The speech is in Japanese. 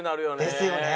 ですよね。